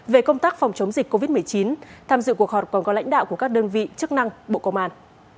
về công tác phòng chống dịch covid một mươi chín tham dự cuộc họp còn có lãnh đạo của các đơn vị chức năng bộ công an